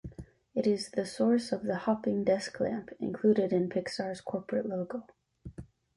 It is the source of the hopping desk lamp included in Pixar's corporate logo.